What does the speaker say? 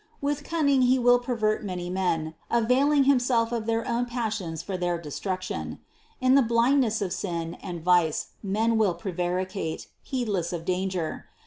With cunning he will pervert many men, availing himself of their own pas sions for their destruction. In the blindness of sin and vice men will prevaricate, heedless of danger.